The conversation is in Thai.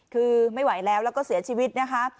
คือไม่ไหวแล้วแล้วก็เสียชีวิตนะคะ